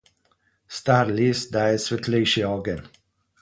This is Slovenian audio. Star les daje svetlejši ogenj.